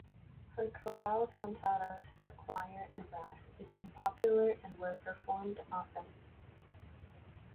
Her Chorale cantatas for choir and brass became popular and were performed often.